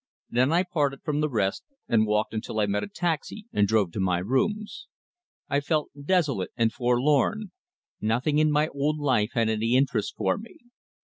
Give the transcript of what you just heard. Then I parted from the rest, and walked until I met a taxi and drove to my rooms. I felt desolate and forlorn. Nothing in my old life had any interest for me.